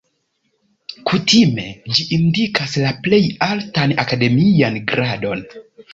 Kutime ĝi indikas la plej altan akademian gradon.